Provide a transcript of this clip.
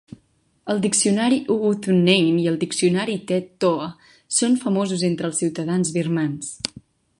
El diccionari "U Htun Nyein" i el diccionari "Tet Toe" són famosos entre els ciutadans birmans.